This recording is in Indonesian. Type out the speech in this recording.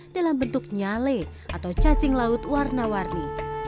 dalam bentuk nyale atau cacing laut warna warni